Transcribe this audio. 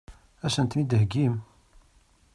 Ad sen-ten-id-theggim?